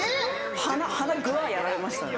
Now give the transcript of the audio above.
鼻ぐわっやられましたね。